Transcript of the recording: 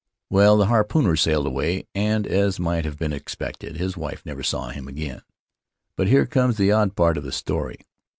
"Well, the harpooner sailed away, and, as might have been expected, his wife never saw him again; but here comes the odd part of the story.